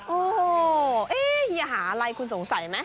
โอ้โหเฮียหาอะไรคุณสงสัยไหม